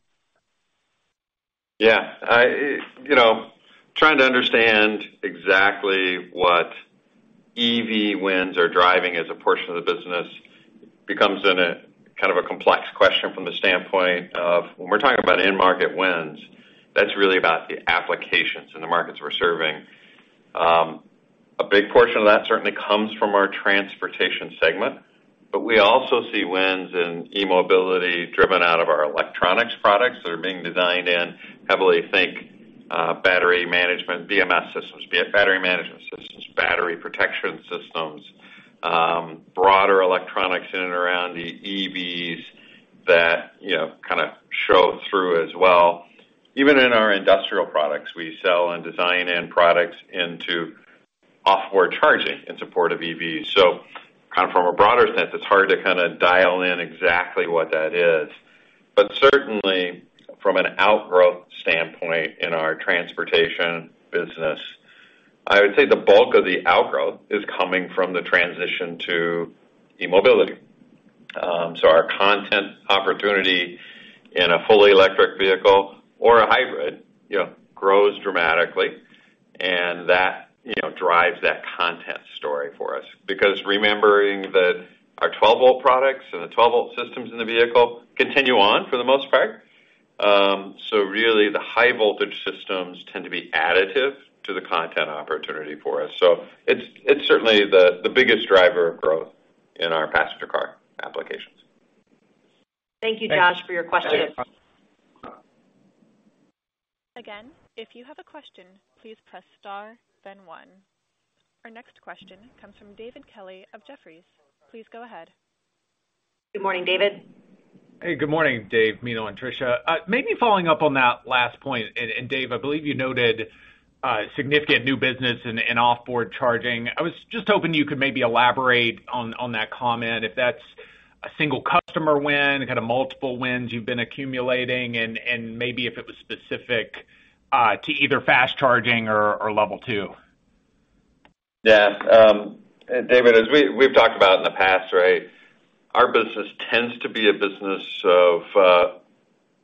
Speaker 3: Yeah. I you know trying to understand exactly what EV wins are driving as a portion of the business becomes a kind of a complex question from the standpoint of when we're talking about end market wins, that's really about the applications and the markets we're serving. A big portion of that certainly comes from our transportation segment, but we also see wins in e-mobility driven out of our electronics products that are being designed in heavily into battery management, BMS systems, be it battery management systems, battery protection systems, broader electronics in and around the EVs that you know kinda show through as well. Even in our industrial products, we sell and design end products into off-board charging in support of EVs. Kind of from a broader sense, it's hard to kinda dial in exactly what that is. Certainly from an outgrowth standpoint in our transportation business, I would say the bulk of the outgrowth is coming from the transition to e-mobility. Our content opportunity in a fully electric vehicle or a hybrid, you know, grows dramatically, and that, you know, drives that content story for us. Because remembering that our 12-volt products and the 12-volt systems in the vehicle continue on for the most part. Really the high voltage systems tend to be additive to the content opportunity for us. It's certainly the biggest driver of growth in our passenger car applications.
Speaker 4: Thank you, Josh, for your question.
Speaker 1: Again, if you have a question, please press star then one. Our next question comes from David Kelley of Jefferies. Please go ahead.
Speaker 4: Good morning, David.
Speaker 9: Hey, good morning. Dave, Meenal, and Trisha. Maybe following up on that last point, and Dave, I believe you noted significant new business in off-board charging. I was just hoping you could maybe elaborate on that comment if that's a single customer win, kind of multiple wins you've been accumulating and maybe if it was specific to either fast charging or level two.
Speaker 3: Yeah. David, as we've talked about in the past, right? Our business tends to be a business of,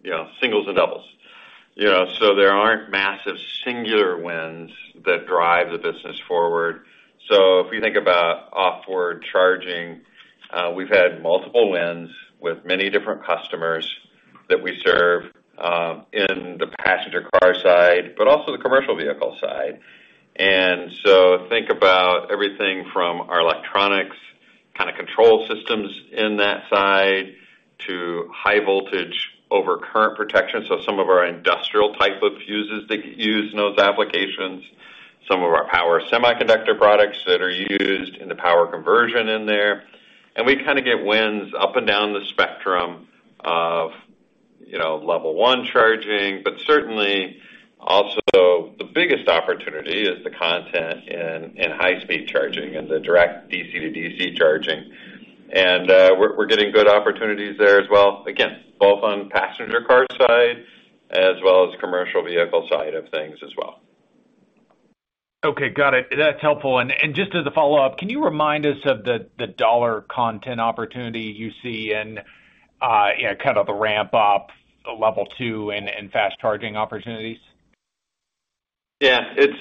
Speaker 3: you know, singles and doubles. You know, so there aren't massive singular wins that drive the business forward. So if you think about off-board charging, we've had multiple wins with many different customers that we serve, in the passenger car side, but also the commercial vehicle side. Think about everything from our electronics kind of control systems in that side to high voltage overcurrent protection. Some of our industrial type of fuses that get used in those applications, some of our power semiconductor products that are used in the power conversion in there. We kinda get wins up and down the spectrum of, you know, level one charging, but certainly. Also, the biggest opportunity is the content in high speed charging and the direct DC to DC charging. We're getting good opportunities there as well. Again, both on passenger car side as well as commercial vehicle side of things as well.
Speaker 9: Okay, got it. That's helpful. Just as a follow-up, can you remind us of the dollar content opportunity you see and, yeah, kind of the ramp up level two and fast charging opportunities?
Speaker 3: Yeah. It's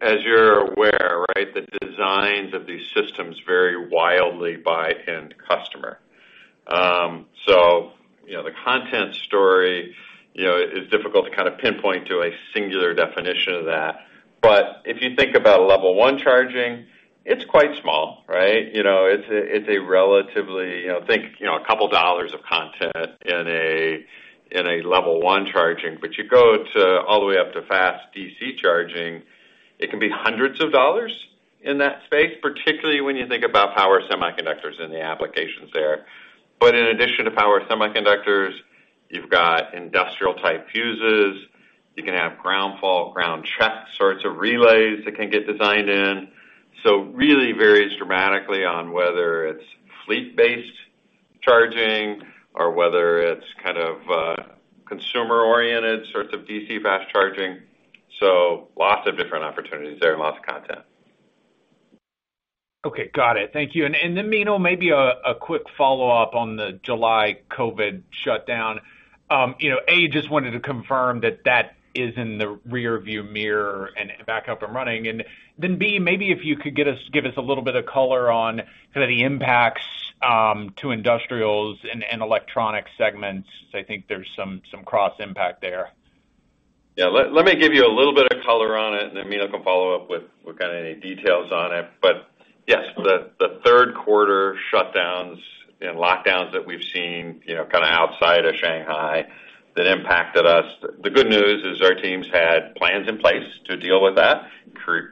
Speaker 3: as you're aware, right? The designs of these systems vary wildly by end customer. You know, the content story, you know, is difficult to kind of pinpoint to a singular definition of that. If you think about level one charging, it's quite small, right? You know, it's a relatively, you know, a couple dollars of content in a level one charging. You go all the way up to fast DC charging. It can be hundreds of dollars in that space, particularly when you think about power semiconductors in the applications there. In addition to power semiconductors, you've got industrial type fuses. You can have ground fault, ground check sorts of relays that can get designed in. It really varies dramatically on whether it's fleet-based charging or whether it's kind of, consumer oriented sorts of DC fast charging. Lots of different opportunities there and lots of content.
Speaker 9: Okay, got it. Thank you. Then, Meenal, maybe a quick follow-up on the July COVID shutdown. You know, A, just wanted to confirm that is in the rearview mirror and back up and running. Then, B, maybe if you could give us a little bit of color on kind of the impacts to industrials and electronic segments 'cause I think there's some cross impact there.
Speaker 3: Yeah. Let me give you a little bit of color on it, and then Meenal can follow up with kinda any details on it. Yes, the Q3 shutdowns and lockdowns that we've seen, you know, kinda outside of Shanghai that impacted us, the good news is our teams had plans in place to deal with that.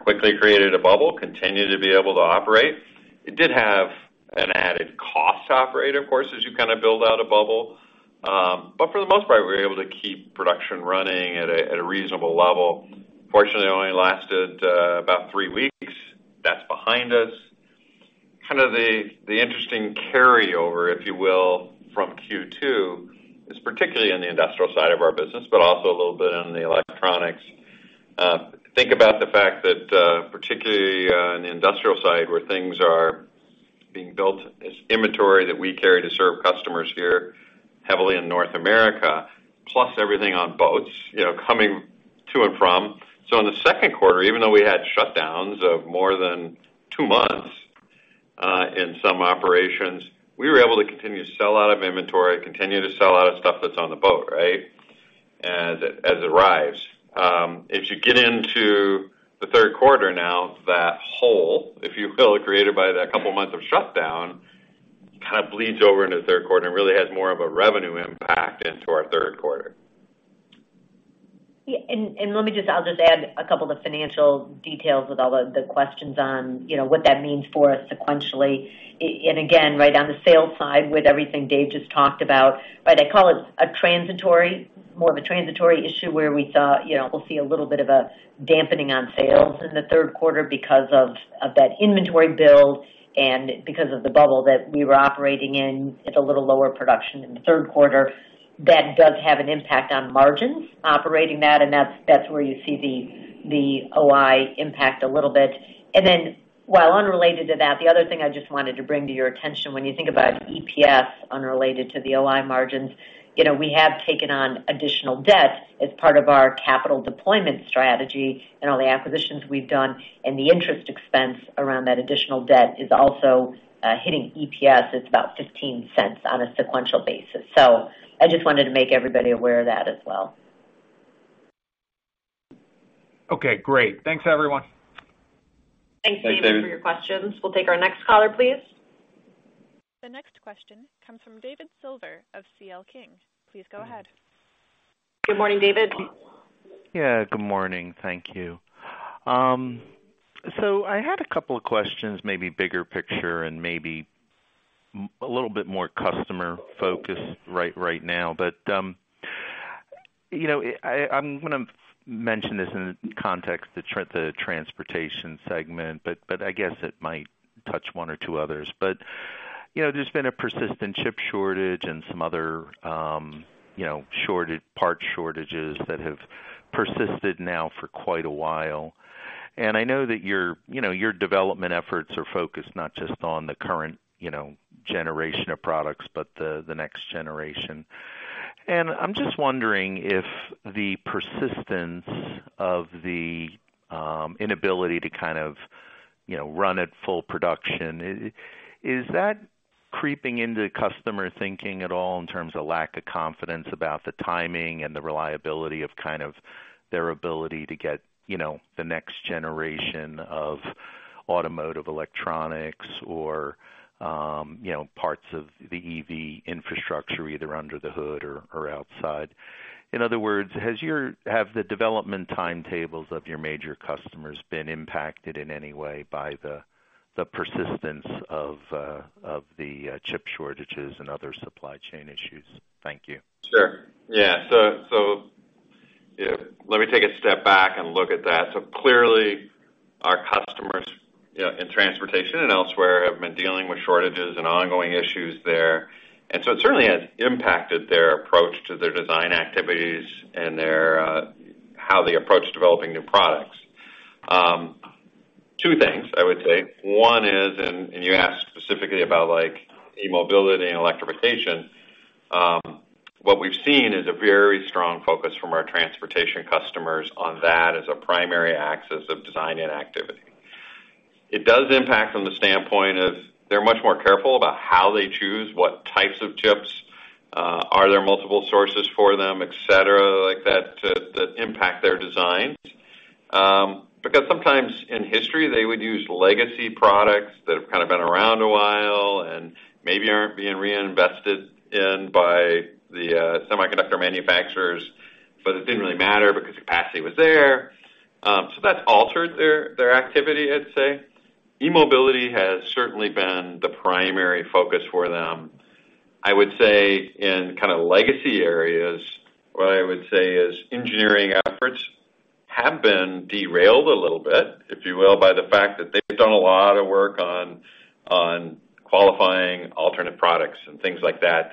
Speaker 3: Quickly created a bubble, continued to be able to operate. It did have an added cost to operate, of course, as you kinda build out a bubble. But for the most part, we were able to keep production running at a reasonable level. Fortunately, it only lasted about three weeks. That's behind us. Kinda the interesting carryover, if you will, from Q2 is particularly in the industrial side of our business, but also a little bit in the electronics. Think about the fact that, particularly on the industrial side where things are being built as inventory that we carry to serve customers here heavily in North America, plus everything on boats, you know, coming to and from. In the Q2, even though we had shutdowns of more than two months in some operations, we were able to continue to sell out of inventory, continue to sell out of stuff that's on the boat, right? As it arrives. As you get into the Q3 now, that hole, if you will created by that couple months of shutdown, kind of bleeds over into Q3 and really has more of a revenue impact into our Q3.
Speaker 4: Yeah. Let me just, I'll just add a couple of financial details with all of the questions on, you know, what that means for us sequentially. Again, right, on the sales side with everything Dave just talked about, right, I call it a transitory, more of a transitory issue where we saw, you know, we'll see a little bit of a dampening on sales in the Q3 because of that inventory build and because of the bubble that we were operating in at a little lower production in the Q3. That does have an impact on margins operating that, and that's where you see the OI impact a little bit. While unrelated to that, the other thing I just wanted to bring to your attention when you think about EPS unrelated to the OI margins, you know, we have taken on additional debt as part of our capital deployment strategy and all the acquisitions we've done, and the interest expense around that additional debt is also hitting EPS. It's about $0.15 on a sequential basis. I just wanted to make everybody aware of that as well.
Speaker 9: Okay, great. Thanks, everyone.
Speaker 3: Thanks, David.
Speaker 4: Thank you for your questions. We'll take our next caller, please.
Speaker 1: The next question comes from David Silver of C.L. King. Please go ahead.
Speaker 4: Good morning, David.
Speaker 10: Yeah. Good morning. Thank you. So I had a couple of questions, maybe bigger picture and maybe a little bit more customer focused right now. You know, I'm gonna mention this in the context of the transportation segment. I guess it might touch one or two others. You know, there's been a persistent chip shortage and some other part shortages that have persisted now for quite a while. I know that your you know your development efforts are focused not just on the current generation of products, but the next generation. I'm just wondering if the persistence of the inability to kind of, you know, run at full production, is that creeping into customer thinking at all in terms of lack of confidence about the timing and the reliability of kind of their ability to get, you know, the next generation of automotive electronics or, you know, parts of the EV infrastructure, either under the hood or outside? In other words, have the development timetables of your major customers been impacted in any way by the persistence of the chip shortages and other supply chain issues? Thank you.
Speaker 3: Sure. Yeah. Let me take a step back and look at that. Clearly, Transportation and elsewhere have been dealing with shortages and ongoing issues there. It certainly has impacted their approach to their design activities and their, how they approach developing new products. Two things I would say. One is, you asked specifically about like e-mobility and electrification. What we've seen is a very strong focus from our transportation customers on that as a primary axis of design and activity. It does impact from the standpoint of they're much more careful about how they choose what types of chips, are there multiple sources for them, et cetera, like that impact their designs. Because sometimes in history, they would use legacy products that have kind of been around a while and maybe aren't being reinvested in by the semiconductor manufacturers, but it didn't really matter because capacity was there. So that's altered their activity, I'd say. e-mobility has certainly been the primary focus for them. I would say in kind of legacy areas, what I would say is engineering efforts have been derailed a little bit, if you will, by the fact that they've done a lot of work on qualifying alternate products and things like that,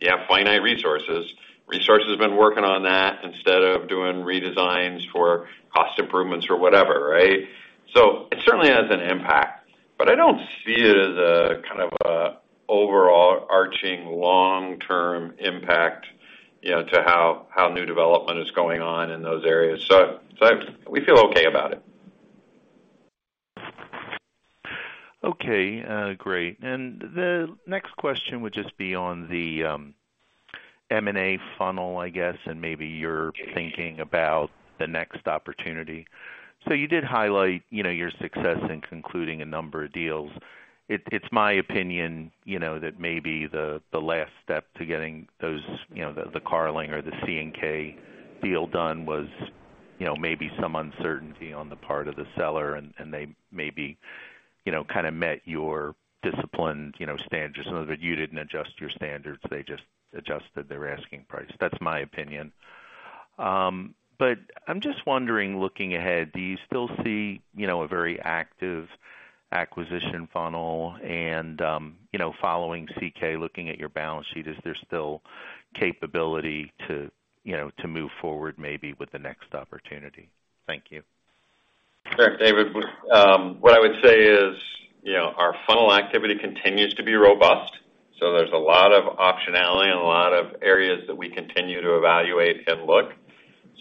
Speaker 3: you have finite resources. Resources have been working on that instead of doing redesigns for cost improvements or whatever, right? It certainly has an impact, but I don't see it as a kind of an overarching long-term impact, you know, to how new development is going on in those areas. We feel okay about it.
Speaker 10: Okay. Great. The next question would just be on the M&A funnel, I guess, and maybe you're thinking about the next opportunity. You did highlight, you know, your success in concluding a number of deals. It's my opinion, you know, that maybe the last step to getting those, you know, the Carling or the C&K deal done was, you know, maybe some uncertainty on the part of the seller and they maybe, you know, kind of met your disciplined, you know, standards, but you didn't adjust your standards. They just adjusted their asking price. That's my opinion. I'm just wondering, looking ahead, do you still see, you know, a very active acquisition funnel and, you know, following C&K, looking at your balance sheet, is there still capability to, you know, to move forward maybe with the next opportunity? Thank you.
Speaker 3: Sure, David. What I would say is, you know, our funnel activity continues to be robust, so there's a lot of optionality and a lot of areas that we continue to evaluate and look.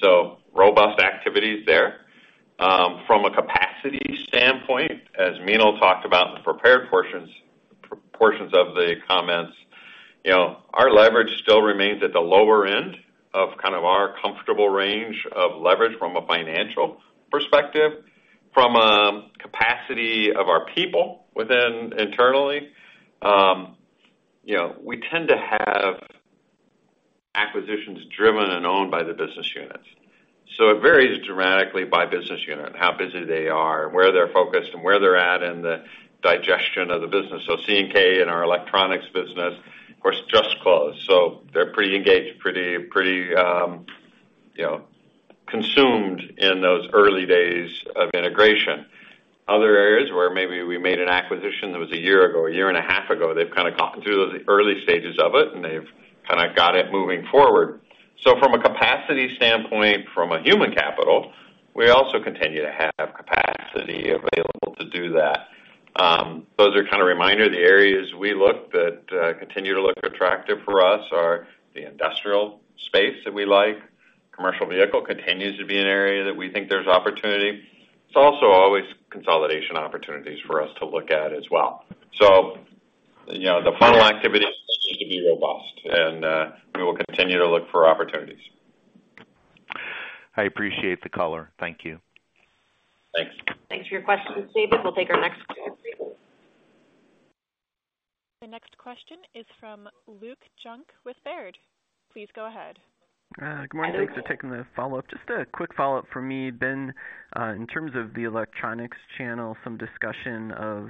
Speaker 3: So robust activities there. From a capacity standpoint, as Meenal talked about in the prepared portions of the comments, you know, our leverage still remains at the lower end of kind of our comfortable range of leverage from a financial perspective. From a capacity of our people within internally, you know, we tend to have acquisitions driven and owned by the business units. So it varies dramatically by business unit, how busy they are and where they're focused and where they're at in the digestion of the business. C&K and our electronics business, of course, just closed, so they're pretty engaged, you know, consumed in those early days of integration. Other areas where maybe we made an acquisition that was a year ago, a year and a half ago, they've kind of gotten through those early stages of it, and they've kind of got it moving forward. From a capacity standpoint, from a human capital, we also continue to have capacity available to do that. Those are kind of reminder. The areas we look at that continue to look attractive for us are the industrial space that we like. Commercial vehicle continues to be an area that we think there's opportunity. It's also always consolidation opportunities for us to look at as well. You know, the funnel activity seems to be robust and we will continue to look for opportunities.
Speaker 10: I appreciate the color. Thank you.
Speaker 3: Thanks.
Speaker 4: Thanks for your questions, David. We'll take our next question.
Speaker 1: The next question is from Luke Junk with Baird. Please go ahead.
Speaker 7: Good morning. Thanks for taking the follow-up. Just a quick follow-up from me, Ben. In terms of the electronics channel, some discussion of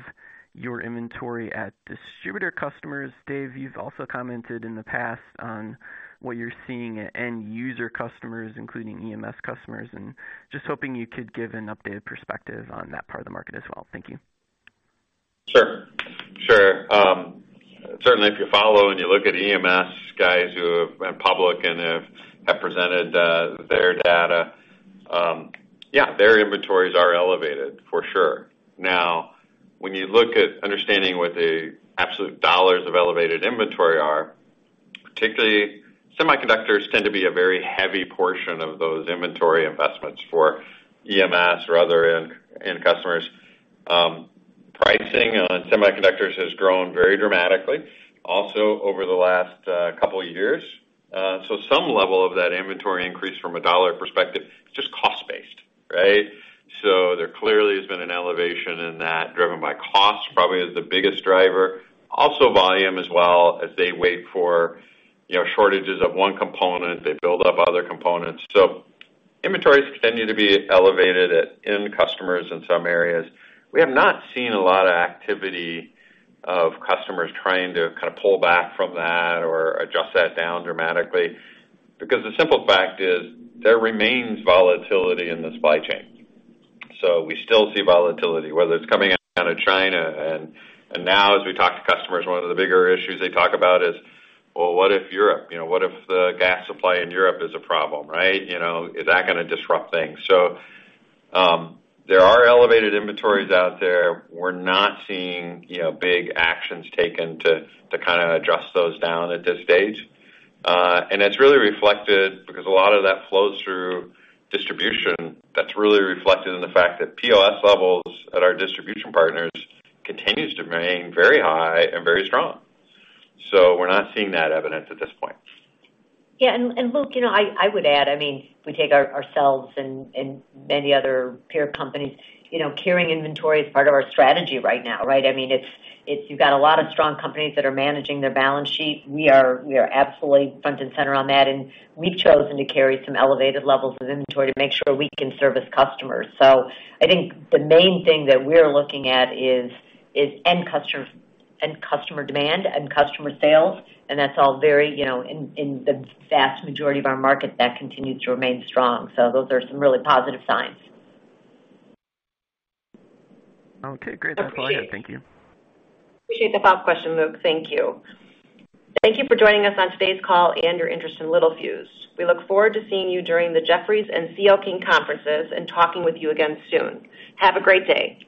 Speaker 7: your inventory at distributor customers. Dave, you've also commented in the past on what you're seeing at end user customers, including EMS customers, and just hoping you could give an updated perspective on that part of the market as well. Thank you.
Speaker 3: Certainly if you follow and you look at EMS guys who have went public and have presented their data, their inventories are elevated for sure. Now, when you look at understanding what the absolute dollars of elevated inventory are, particularly semiconductors tend to be a very heavy portion of those inventory investments for EMS or other end customers. Pricing on semiconductors has grown very dramatically also over the last couple years. Some level of that inventory increase from a dollar perspective is just cost-based, right? There clearly has been an elevation in that driven by cost probably is the biggest driver. Volume as well as they wait for shortages of one component, they build up other components. Inventories continue to be elevated at end customers in some areas. We have not seen a lot of activity of customers trying to kind of pull back from that or adjust that down dramatically because the simple fact is there remains volatility in the supply chain. We still see volatility, whether it's coming out of China. Now as we talk to customers, one of the bigger issues they talk about is, well, what if Europe? You know, what if the gas supply in Europe is a problem, right? You know, is that gonna disrupt things? There are elevated inventories out there. We're not seeing, you know, big actions taken to kind of adjust those down at this stage. It's really reflected because a lot of that flows through distribution. That's really reflected in the fact that POS levels at our distribution partners continues to remain very high and very strong. We're not seeing that evidence at this point.
Speaker 4: Yeah, Luke, you know, I would add, I mean, if we take ourselves and many other peer companies, you know, carrying inventory is part of our strategy right now, right? I mean, it's. You've got a lot of strong companies that are managing their balance sheet. We are absolutely front and center on that, and we've chosen to carry some elevated levels of inventory to make sure we can service customers. I think the main thing that we're looking at is end customer demand, end customer sales, and that's all very, you know, in the vast majority of our market that continues to remain strong. Those are some really positive signs.
Speaker 7: Okay, great. That's all I had. Thank you.
Speaker 2: Appreciate the follow-up question, Luke. Thank you. Thank you for joining us on today's call and your interest in Littelfuse. We look forward to seeing you during the Jefferies and C.L. King conferences and talking with you again soon. Have a great day.